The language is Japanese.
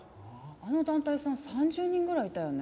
あの団体さん３０人ぐらいいたよね？